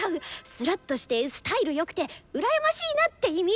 すらっとしてスタイルよくて羨ましいなって意味！